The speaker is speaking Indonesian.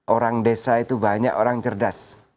orang desa itu banyak orang cerdas